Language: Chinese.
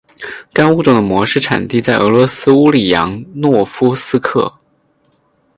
该物种的模式产地在俄罗斯乌里扬诺夫斯克。